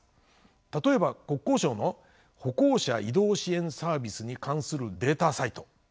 例えば国交省の歩行者移動支援サービスに関するデータサイト。